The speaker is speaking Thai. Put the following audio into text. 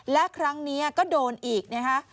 และครั้งนี้ก็โดนอีกนะคะ